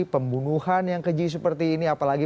pembunuhan yang keji seperti ini apalagi